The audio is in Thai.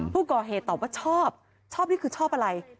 ผู้ก่อเหตุตอบว่าชอบชอบนี่คือชอบอะไร